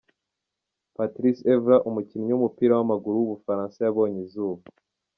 Patrice Evra, umukinnyi w’umupira w’amaguru w’umufaransa yabonye izuba.